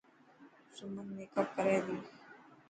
سمن ميڪپ ڪري تي.